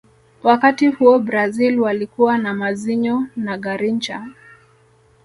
Wakati huo brazil walikuwa na mazinho na garincha